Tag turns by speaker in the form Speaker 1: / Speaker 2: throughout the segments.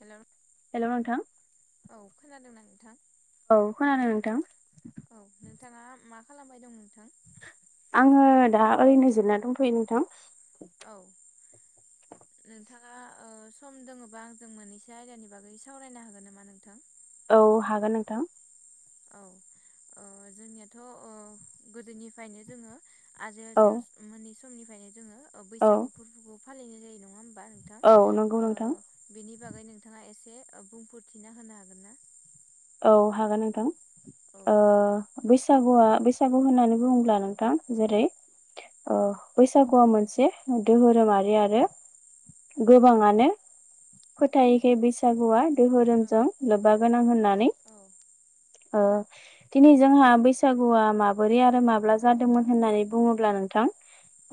Speaker 1: हेल'
Speaker 2: hello नोंथां
Speaker 1: खोनादोंना नोंथां
Speaker 2: औ खोनादों नोंथां।
Speaker 1: औ नोंथाङा मा खालामबाय दं नोंथां।
Speaker 2: आङो दा ओरैनो जिरायना ना दंथ'यो नोंथां।
Speaker 1: औ। नोंथाङा ओ सम दोंङोबा आंजों मोननैसो आयदानि बागै सावरायनो हागोन नामा नोंथां।
Speaker 2: औ हागोन नोंथां।
Speaker 1: औ जोंनियाथ' ओ गोदोनिफ्रायनो जोङो। आजै
Speaker 2: औ
Speaker 1: आजे मोननै समनिफ्रायनो जोङो
Speaker 2: औ
Speaker 1: बैसागु फोरबोखौ फालिनाय जायो नङा होमबा। बा नोंथां
Speaker 2: औ नंगौ नोंथां
Speaker 1: ओ बेनि बागै नोंथाङा एसे। बुंफोरथिना होनो हागोन ना।
Speaker 2: औ हागोन नोंथां
Speaker 1: औ
Speaker 2: ओ। बैसागुआ बैसागु होननानै बुङोब्ला नोंथां जेरै ओ बैसागुआ मोनसे दोहोरोमारि आरो। गोबाङानो फोथायखै बैसागुआ।
Speaker 1: औ
Speaker 2: धोरोमजों लोब्बा गोनां होननानै।
Speaker 1: [inaudible]
Speaker 2: ओ दिनै जोंहा बैसागुआ माबोरै आरो माब्ला जादोंमोन होननानै बुङोब्ला नोंथां।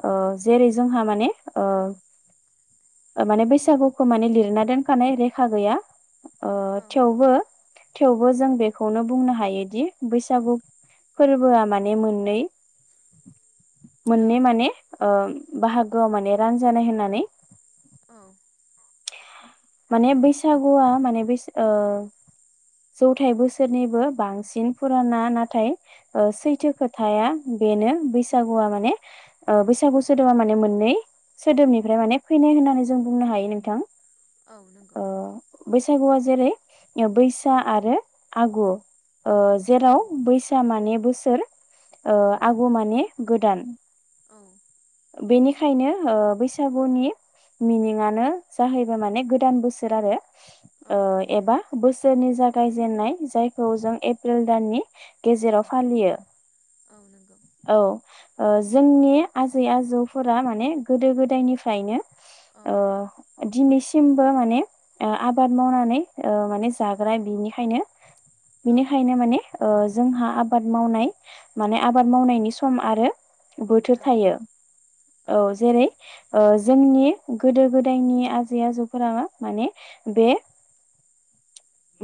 Speaker 2: ओ जेरै जोंहा माने ओ। माने बैसागुखौ माने लिरना दोनखानाय रेखा गैया। ओ थेवबो थेवबो जों बेखौनो बुंनो हायोदि बैसागु फोरबोआ माने मोननै।
Speaker 1: [inaudible] औ
Speaker 2: मोनै माने। ओ बाहागोआव माने रानजानाय होननानै।
Speaker 1: औ
Speaker 2: माने बैसागुआ माने बै ओ। जौथायाइ बोसोरनिबो बांसिन फुराना नाथाय सैथो खोथाया। बेनो बैसागुआ माने ओ बैसागु सोदोमा माने मोननै। सोदोबनिफ्राय माने फैनाय होननानै जों बुंनो हायो नोंथां।
Speaker 1: औ नंगौ।
Speaker 2: ओ बैसागुआ जेरै बैसा आरो आगु। ओ
Speaker 1: औ
Speaker 2: जेराव बैसा माने बोसोर ओ
Speaker 1: औ
Speaker 2: आगु माने गोदान।
Speaker 1: [inaudible]
Speaker 2: बेनिखायनो ओह बैसागुनि मिनिंनो जाहैबाय माने गो। गोदान बोसोर आरो
Speaker 1: औ
Speaker 2: ओह एबा। बोसोरनि जागायजेननाय जायखौ जों एप्रिल दाननि।
Speaker 1: औ
Speaker 2: गेजेराव फालियो
Speaker 1: नंगौ
Speaker 2: औ। ओह जोंनि आजै आजौफोरा माने गोदो गोदायनिफ्रायनो।
Speaker 1: औ
Speaker 2: ओ दिनैसिम। बो माने आबाद मावनानै माने जाग्रा बिनिखायनो।
Speaker 1: औ
Speaker 2: बिनिखायनो माने ओ जोंहा आबाद मावनाय माने आबाद मावनायनि सम आरो। बोथोर
Speaker 1: औ
Speaker 2: थायो औ जेरै ओ जोंनि गोदो गोदायनि आजै आजौ फोरा माने बे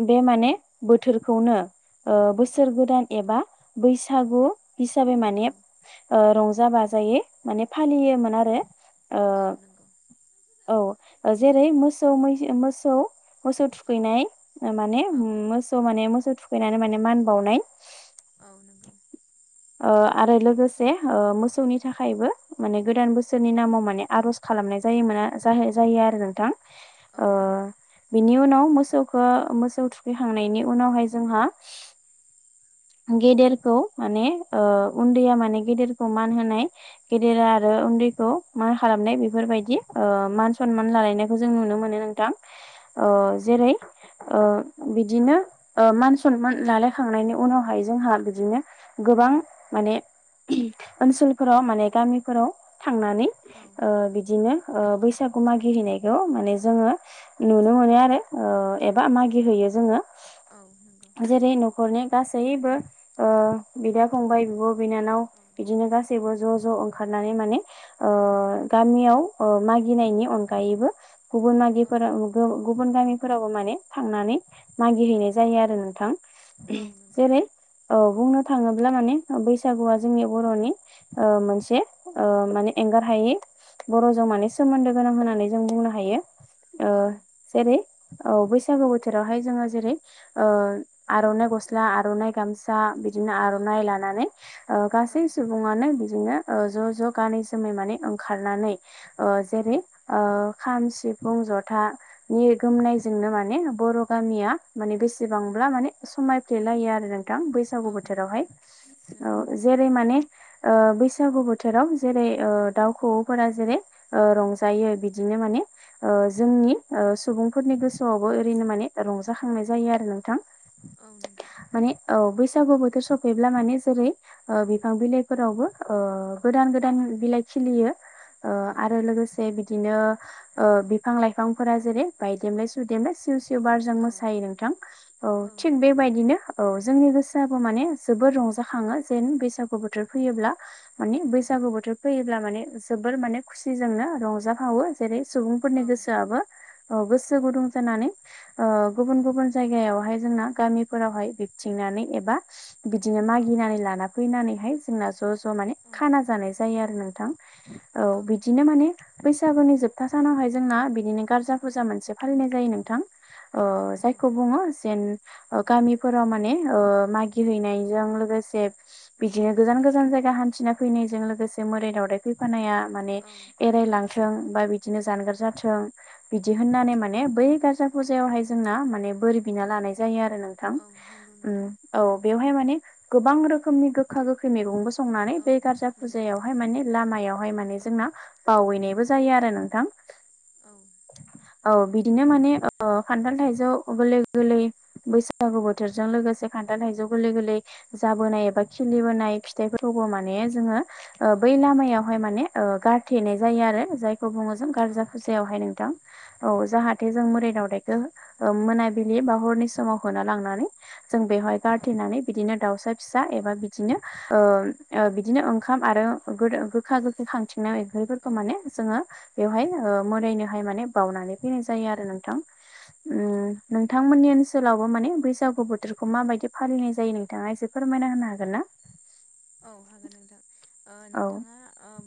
Speaker 2: बे माने बोथोरखौनो ओ
Speaker 1: औ
Speaker 2: बोसोर गोदान एबा बैसागु हिसाबै
Speaker 1: औ
Speaker 2: माने ओ रंजा बाजायै माने फालियोमोन आरो
Speaker 1: औ
Speaker 2: औ जेरै मोसौ मै मोसौ मोसौ
Speaker 1: औ
Speaker 2: थुखैनाय माने
Speaker 1: औ
Speaker 2: मोसौ माने मोसौ थुखैनानै माने मान बावनाय
Speaker 1: औ
Speaker 2: ओ आरो लोगोसे ओ मोसौनि थाखायबो माने गोदान बोसोरनि नामाव माने आरज खालाम खालामनाय जायो मोन जा जायो आरो नोंथां
Speaker 1: औ
Speaker 2: ओ
Speaker 1: नंगौ
Speaker 2: बिनि उनाव मोसौखौ मोसौ थुखैखांनायनि उनावहाय जोंहा गेदेरखौ माने ओ उन्दैया माने गेदेरखौ मान होनाय गेदेरा
Speaker 1: औ
Speaker 2: आरो उन्दैखौ मा खालामनाय बेफोरबायदि ओ मान सनमान लालायनायखौ जों नुनो मोनो नोंथां
Speaker 1: औ
Speaker 2: अह
Speaker 1: नंगौ
Speaker 2: जेरै ओ बिदिनो ओ मान सनमान लालायखांनायनि उनाव जोंहा बिदिनो गोबां माने ओनसोलफोराव माने गामिफोराव थांनानै
Speaker 1: औ नंगौ औ
Speaker 2: ओ बिदिनो ओ बैसागु बे मागि हैैनायखौ माने जोंङो नुनो मोनो ओ आरो एबा मागि हैैयो जोंङो
Speaker 1: औ
Speaker 2: हरनि गास गासैबो ओ बिदा फंबाय बिब' बिनानाव बिदिनो गासैबो ज' ज' ओंखारनानै माने ओ गामियाव ओ मागिनायनि अनगायैबो गुबुन
Speaker 1: औ
Speaker 2: मागिफोरा गुबुन गामिफोरावबो माने थांनानै मागिरहैनाय जायो आरो नोंथां
Speaker 1: औ
Speaker 2: ओ बुंनो थांङोब्ला माने बैसागुआ जोंनि बर'नि ओ मोनसे ओ माने एंगार हायै बरजों माने सोमोन्दो गोनां होननानै जों बुंनो हायो ओह जेरै औ बैसागु बोथोरावहाय जोंङो जेरै ओ आरनाइ गस स्ला आरनाइ गामसा बिदिनो आर'नाइ लानानै ओ गासै सुबुङानो बिदिनो ज' ज' गानै जोमै माने ओंखारनानै ओ जेरै ओ खाम सिफुं जथानि गोमनायजोंनो माने बर गामिया माने बेसेबां समायफ्ले लायो आरो नोंथां बैसागु बोथोरावहाय अ
Speaker 1: नंगौ
Speaker 2: जेरै माने ओ बैसागु बोथोराव जेरै ओ दाउ खौवौफोरा जेरै ओ रंजायो बिदिनो माने ओ जोंनि ओ सुबुंफोरनि गोसोआवबो ओरैनो मान रंजाखांनाय जायो आरो नोंथां
Speaker 1: [inaudible]
Speaker 2: माने औ बैसागु बोथोर सफैब्ला माने जेरै ओ बिफां बिलाइफोरावबो ओ गोदान गोदान बिलाइ खिलियो ओ
Speaker 1: औ नंगौ औ
Speaker 2: आरो लोगोसे बि बिदिनो ओ बिफां लाइफांफोरा जेरै बायदेमलाय सुदेमलाय सिर
Speaker 1: औ
Speaker 2: बारजों मोसायो नोंथां औ थिग बेबायदिनो औ जोंनि गोसोआबो माने जोबोर रंजाखांङो जेन बैसागु बोथोर फैयोब्ला मानि बैसागु बोथोर फैयोब्ला माने जोबोर माने खुसिजोंनो रंजाहावो जेरै सुबुंफोरनि गोसो आबो औ गोसो गुदुं जानानै गुबुन
Speaker 1: औ
Speaker 2: गुबुन जायगायावहाय जोंना गामिफोरावहाय बिबथिंनानै एबा बिदिनो
Speaker 1: औ औ
Speaker 2: मागिनानै लाना फैनानैहाय जोंना ज ज माने
Speaker 1: औ
Speaker 2: खाना जानाय जायो आरो नोंथां औ
Speaker 1: नंगौ
Speaker 2: बिदिनो माने बैसागुनि जोबथा सानावहाय जोंना बिदिनो गारजा फुजा मोनसे फालिनाय
Speaker 1: औ
Speaker 2: जायो नोंथां
Speaker 1: औ
Speaker 2: जायखौ बुङो जेन गामिफोराव माने मागि हैैनायजों लोगोसे बिदिनो गोजान गोजान जायगा जायगा हान्थिना फैनायजों लोगोसे मोदाय दावदाय फैफानाया माने एरायलांथों बा बिदिनो जानगार जाथों बिदि होननानै माने बै गार्जा फुजायावहाय जोंना माने बोर बिना लानाय जायो आरो नों नोंथां औ बेवहाय माने गोबां रोखोमनि गोखा गोखै मैगंबो संनानै
Speaker 1: औ
Speaker 2: बे गारजा
Speaker 1: नंगौ
Speaker 2: फुजायावहाय माने लामायावहाय माने जोंना बावहैनाय बो जायो आरो नोंथां
Speaker 1: औ
Speaker 2: औ बिदिनो माने खान्थाल थाइजौ गोरलै गोरलै बैसागु बोथोरजों लोगोसे खान्थाल थाइजौ गोरलै गोरलै जाबोनाय एबा
Speaker 1: औ
Speaker 2: खिलिबोनाय फिथाइफोर खौबो माने जोङो
Speaker 1: औ
Speaker 2: बै लामायावहाय माने गारथेनाय जायो आरो जायखौ बुङो जों
Speaker 1: औ
Speaker 2: गारजा
Speaker 1: नंगौ
Speaker 2: फुजायावहाय नोंथां औ जाहाथे जों
Speaker 1: औ
Speaker 2: मोदाय दावदायखौ मोनाबिलि बा हरनि समाव होना लांनानै जों बेवहाय
Speaker 1: औ
Speaker 2: गारथेनानै बिदिनो दाउसा फिसा एबा बिदिनो बिदिनो ओंखाम आरो गोखा गोखै खांथिंनाय ओंख्रिफोरखौ माने
Speaker 1: औ
Speaker 2: जोङो बेवहाय
Speaker 1: औ
Speaker 2: मोदायनोहाय माने बावनानै फैनाय जायो आरो नोंथां
Speaker 1: औ
Speaker 2: नोंथांमोननि ओनसोल ओनसोलावबो माने बैसागु बोथोरखौ माबायदि फालिनाय जायो नोंथाङा एसे फोरमायना होनो हागोन ना
Speaker 1: औ हागोन नोंथां
Speaker 2: औ
Speaker 1: नोंथाङा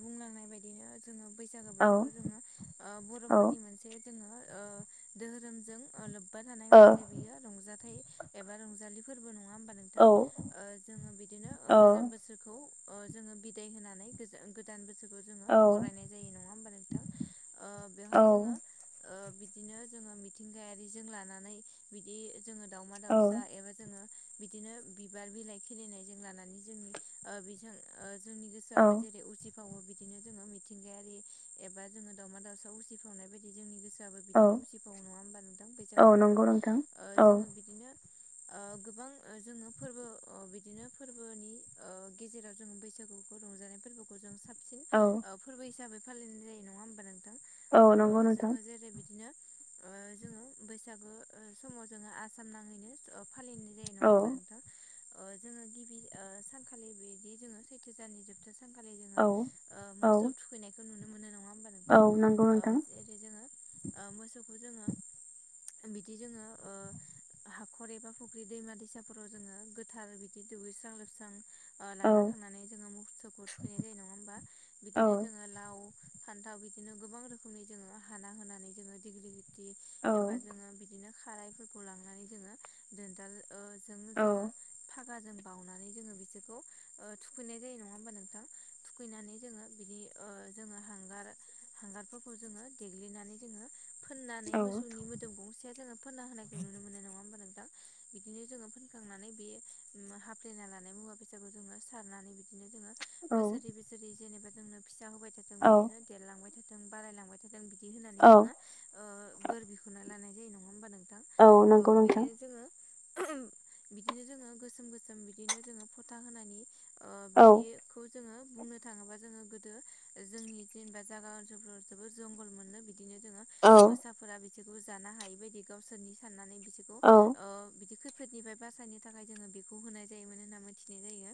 Speaker 1: बुंलांनाय बायदिनो जोङो बैसागो
Speaker 2: औ
Speaker 1: बोथोरखौ जोङो
Speaker 2: औ
Speaker 1: बर'फोरनि मोनसे जोङो दोहोरोमजों लोब्बा थानाय
Speaker 2: औ
Speaker 1: मोनसे बियो रंजाथाइ एबा रंजालि फोरबो नङा हमबा नोंथां
Speaker 2: औ
Speaker 1: जोङो बिदिनो
Speaker 2: औ
Speaker 1: गोजाम बोसोर जोङो बिदाय होनानै गोदान बोसोरखौ जोङो
Speaker 2: औ
Speaker 1: बरायनाय जायो नङा हमबा नोंथां बेवहाय जोङो बिदिनो जोङो मिथिंगायारिजों लानानै बिदि जोङो दावमा
Speaker 2: औ
Speaker 1: दावसा एबा जोङो बिदिनो बिबार बिलाइ खिलिनायजों लानानै जोंनि बिजों जोंनि गोसोआबो जेरै उसि फावो बिदिनो जोङो मिथिंगायारि एबा जोङो दावमा दाउसा उसिफावनाय बायदि जोंनि गोसो जाबो
Speaker 2: औ
Speaker 1: बिदिनो उसिफावो नङा होमबा नोंथां
Speaker 2: औ
Speaker 1: बैसागो
Speaker 2: नंगौ
Speaker 1: बोथोराव
Speaker 2: नोंथां औ
Speaker 1: जोङो बिदिनो गोबां जोङो फोरबो बिदिनो फोरबोनि गेजेराव जों बैसागुखौ रंजानाय फोरबोखौ जों साबसिन
Speaker 2: औ
Speaker 1: फोरबो हिसाबै फालिनाय जायो नङा होमबा नोंथां
Speaker 2: औ नंगौ नोंथां
Speaker 1: जोङो जेरै बिदिनो जोङो बैसागो समाव जोङो आसाम नाङैनो फालिनाय जायो नङा
Speaker 2: औ
Speaker 1: हमबा नोंथां जोङो गिबि सान सानखालि बिदि जोङो सैथो दाननि जोबथा सानखालि जोङो
Speaker 2: औ औ
Speaker 1: मोसौ थुखैनाय हमबा नोंथां
Speaker 2: औ नंगौ नोंथां
Speaker 1: जेरै जोङो मोसौखौ जोङो बिदि जोङो ओ हाखर एबा फुख्रि दैमा दैसाफोराव जोङो गोथार बिदि दुगैस्रां लोबस्रां
Speaker 2: औ
Speaker 1: लाना थांनानै जोङो मुस्थुखौ थुखैनाय जायो नङा होमबा
Speaker 2: औ
Speaker 1: बिदिनो जोङो लाव फान्थाव बिदिनो गोबां रोखोमनि जोङो हाना होनानै जोङो डिगलि बि
Speaker 2: औ
Speaker 1: एबा जोङो बिदिनो खारायफोरखौ लांनानै जोङो दोनदाल जों जोङो
Speaker 2: औ
Speaker 1: फागाजों बावनानै जोङो बिसोर गौ थुखैनाय जायो नङा होमबा नोंथां थुखैनानै जोङो बिदि ओ जोङो हांगार हांगारफोरखौ जोङो देग्लिनानै जोङो फोननानै मोसौनि मोदोम गंसेया जोङो फोनना होनायखौ नुनो मोनो नङा होमबा नों बिदिनो जोङो फोनखांनानै बे हाफ्लेना लानाय मुवा बेसाखौ जोङो सारनानै बि बिदिनो जोङो बोसोरि बोसोरि जेनेबा जोंनो फिसा होबाय थाथों
Speaker 2: औ
Speaker 1: बिदिनो देरलांबाय थाथों बारायलांबाय थाथों जों बिदि होनानै
Speaker 2: औ
Speaker 1: जोङो बोर बिख'ना लानाय जायो नङा होमबा नों
Speaker 2: औ नंगौ नोंथां
Speaker 1: बिदिनो जोङो गोसोम गोसोम बिदिनो जोङो फोथा होनानै ओ
Speaker 2: औ
Speaker 1: बिदि खौ जोङो बुंनो थाङोबा जोङो गोदो जोंनि जेनेबा जागा ओनसोलफोराव जोबोर जंगल मोननो बि बिदिनो जोङो
Speaker 2: औ
Speaker 1: मोसाफोरा बिसोरखौ जानो हायै बायदि गावसोरनि साननानै बि बेखौ
Speaker 2: औ
Speaker 1: ओ बिदि खैफोदनिफ्राय बासायनो थाखाय जोङो बेखौ होनाय जायोमोन होनना मिथिनाय जायो।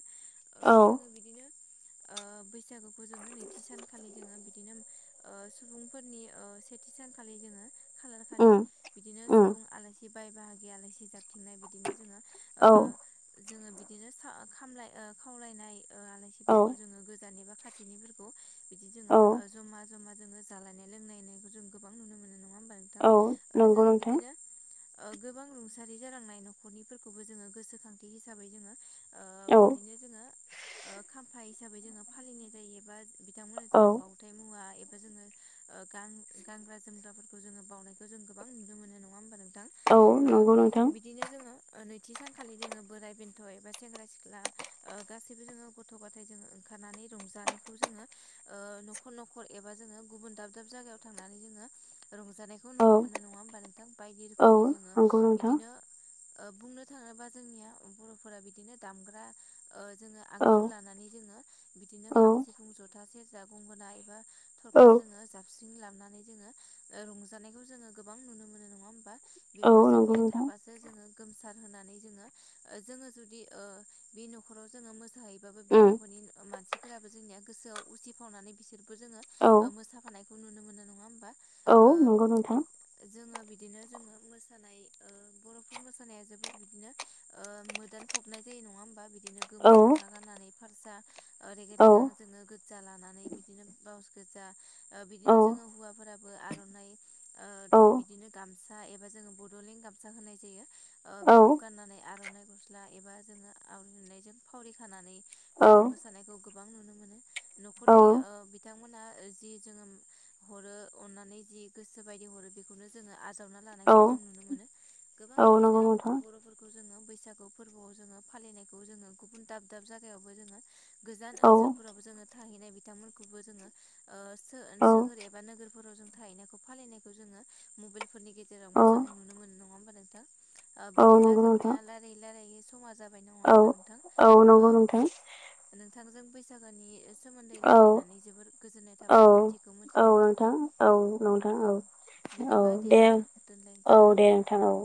Speaker 1: ओ
Speaker 2: औ
Speaker 1: जोङो बिदिनो ओ बैसागुखौ जोङो नैथि सानखालि जोङो बिदिनो ओ सुबुंफोरनि ऐ सेथि सानखालि जोङो खालार खालि
Speaker 2: उम
Speaker 1: बिदिनो
Speaker 2: उम
Speaker 1: सुबुं आलासि बाय बाहागि आलासि जाबथिंनाय बिदिनो जोङो ओ
Speaker 2: औ
Speaker 1: जोङो बिदिनो खा खामलाय ओ खावलायनाय ओ
Speaker 2: औ।
Speaker 1: दानिबा खाथिनि फोरखौ बिदि जोङो
Speaker 2: औ
Speaker 1: ओ जमा-जमा जोङो जालायनाय लोंलानायखो जों गोबां नुनो मोनो नङा होम
Speaker 2: औ नंगौ नोंथां।
Speaker 1: ओ गोबां रुंसारि जालांनाय न'खरनिफोरखौबो जोङो गोसोखांथि हिसाबै जोङो ओ
Speaker 2: औ
Speaker 1: बिदिनो जोङो ओ खाम्फा हिसाबै जोङो फालिनाय जायो एबा बिथांमोननो
Speaker 2: औ
Speaker 1: जों बाउथाइ मुवा ए जोङो ओ गान गानग्रा जोमग्राफोरखौ जोङो बावनायखो जों गोबां नुनो मोनो नङा होनबा नों थां
Speaker 2: औ
Speaker 1: ओ
Speaker 2: नंगौ नोंथां
Speaker 1: बिदिनो जोङो नै सानखालि जोङो बोराय बेन्थ' एबा सेंग्रा सिख्ला गासैबो जोङो गथ' गथाय जोङो ओंखारनानै रंजानायखौ जोङो ओ न'खर न'खर एबा जोङो गुबुन दाब-दाब जायगायाव थांनानै जोङो रंजानायखौ
Speaker 2: औ
Speaker 1: नुनो मोनो नङा होमबा नोंथां बायदि
Speaker 2: औ
Speaker 1: रोखोमनि जोङो
Speaker 2: नंगौ नोंथां
Speaker 1: बिदिनो ओ बुंनो थाङोबा जोंनिया बर'फोरा बिदिनो दामग्रा ओ जोङो
Speaker 2: औ
Speaker 1: आगजु लानानै जोङो बिदिनो
Speaker 2: औ
Speaker 1: खाम सिफुं जथा सेरजा गंगोना एबा थरखा
Speaker 2: औ
Speaker 1: जोङो जाबस्रिं लाबनानै जोङो रंजानायखौ जोङो गोबां नुनो मोनो नङा होम बा
Speaker 2: औ
Speaker 1: बेफोर
Speaker 2: नंगौ
Speaker 1: जोंनिया
Speaker 2: नोंथां
Speaker 1: थाबासो जोङो गोमसार होनानै जोङो ओ जोङो जुदि ओ बि न'खराव जोङो मोसाहैबाबो बे
Speaker 2: उम
Speaker 1: न'खरनि मानसिफोराबो जोंनिया गोसोआव उसिफावनानै बिसोरबो जोङो
Speaker 2: औ
Speaker 1: मोसाफानायखौ नुनो मोनो नङा होमबा।
Speaker 2: औ नंगौ
Speaker 1: ओ
Speaker 2: नोंथां।
Speaker 1: जोङो बिदिनो जोङो मोसानाय ओ बर'फोर मोसानाया जोबोद बिदिनो ओ मोदान फबनाय जायो नङा होमबा बिदिनो
Speaker 2: औ
Speaker 1: गोमो दख'ना गाननानै फारसा रेगे
Speaker 2: औ
Speaker 1: रेगां जोङो गोजा लाना नै बिदिनो ब्लाउस गोजा ओ
Speaker 2: औ
Speaker 1: बिदिनो जोङो हौवाफोराबो आर'नाइ ओ बिदिनो गामसा एबा जोङो बड'लेण्ड गामसा होनाय जायो ओ
Speaker 2: औ
Speaker 1: बेखौ गाननानै आर'नाइ ग'स दा एबा जोङो [unintelligible] जों फावरि खानानै
Speaker 2: औ औ
Speaker 1: जोङो मोसानायखौ गोबां नुनो मोनो।
Speaker 2: औ
Speaker 1: न'खरनि ओ बिथांमोनहा ओ जि जोङो हरो अननानै जि गोसो बायदि हरो बेखौनो जोङो। आजावना लानायखौ जों नुनो मोनो गोबां
Speaker 2: औ नंगौ
Speaker 1: बिदिनो
Speaker 2: नोंथां
Speaker 1: बर'फोरखौ जोङो बैसागु फोरबोआव जोङो फालिनायखौ जोङो गुबुन दाब-दाब जायगायावबो जोङो गोजान
Speaker 2: औ
Speaker 1: ओनसोलफोरावबो जोङो थाहैनाय बिथांमोनखौबो जोङो ओ सो
Speaker 2: औ
Speaker 1: सोहोर एबा नोगोर फोराव जों थाहैनायखौ फालिनायखौ जोङो मबाइलफोरनि गेजेरावनोबो
Speaker 2: औ
Speaker 1: जों नुनो मोनो नङा होमबा नोंथां। ओ
Speaker 2: औ
Speaker 1: बिदिब्ला
Speaker 2: नंगौ नोंथां
Speaker 1: जोंनिया लारायै-लारायै समा जा
Speaker 2: औ औ नंगौ नोंथां।
Speaker 1: नोंथोंजों बैसागोनि सोमोन्दै
Speaker 2: औ
Speaker 1: रायलायनानै जोबोर गोजोननाय थाबाय
Speaker 2: औ
Speaker 1: मिथियैखौ
Speaker 2: औ
Speaker 1: मिनथिनायनि थाखाय
Speaker 2: नोंथां औ नोंथां
Speaker 1: औ
Speaker 2: औ
Speaker 1: बिदिबा
Speaker 2: दे
Speaker 1: नोंथां
Speaker 2: औ
Speaker 1: दोनलायनोसै
Speaker 2: दे नोंथां औ।